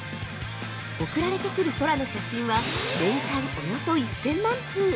◆送られてくる空の写真は、年間およそ１０００万通！